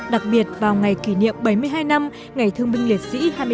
đặc biệt vào ngày kỷ niệm bảy mươi hai năm ngày thương binh liệt sĩ hai mươi bảy tháng bảy này